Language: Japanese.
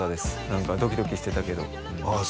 何かドキドキしてたけどあ